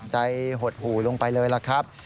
หดหู่ลงไปเลยล่ะครับ